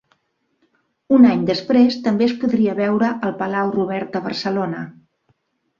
Un any després també es podria veure al Palau Robert de Barcelona.